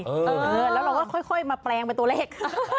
เออแล้วเราก็ค่อยมาแปลงเป็นตัวเลข